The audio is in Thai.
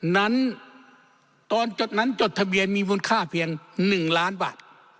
นั้นตอนจดนั้นจดทะเบียนมีมูลค่าเพียง๑ล้านบาท